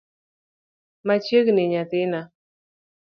Machiegni nyathina.